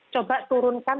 coba turunkan standar kita